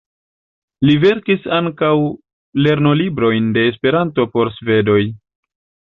Li verkis ankaŭ lernolibrojn de Esperanto por svedoj.